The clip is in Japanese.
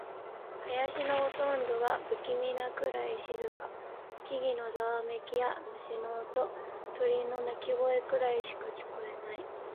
林のほとんどは不気味なくらい静か。木々のざわめきや、虫の音、鳥の鳴き声くらいしか聞こえない。